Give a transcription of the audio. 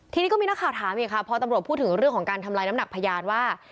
ทีนี้ก็มีนักข่าวถามอีกค่ะพอตำรวจพูดถึงเรื่องของการทำลายน้ำหนักพยานว่า